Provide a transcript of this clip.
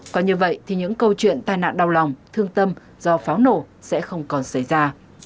còn như vậy thì những câu chuyện tai nạn đau lòng thương tâm do pháo nổ sẽ không còn xảy ra